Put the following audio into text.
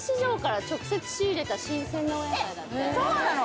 そうなの。